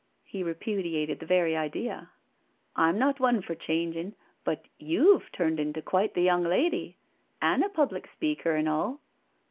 He repudiated the very idea. " I'm not one for changing — but you^ve turned into quite the young lady, an* a public speaker an' all."